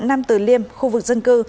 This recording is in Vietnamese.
nam từ liêm khu vực dân cư